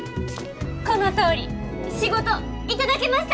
このとおり仕事頂けました！